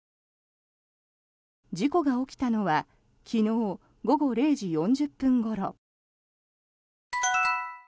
事故が起きたのは昨日午後０時４０分ごろ。